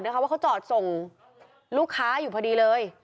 เพราะว่าเขาจอดส่งลูกค้าอยู่พอดีเลย